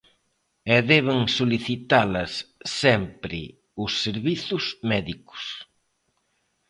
E deben solicitalas sempre os servizos médicos.